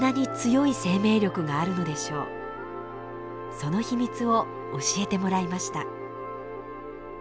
その秘密を教えてもらいました。